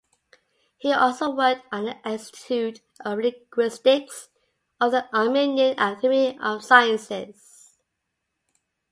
He also worked at the Institute of Linguistics of the Armenian Academy of Sciences.